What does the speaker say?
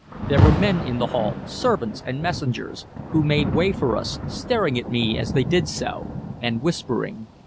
There were men in the hall, servants and messengers, who made way for us, staring at me as they did so, and whispering.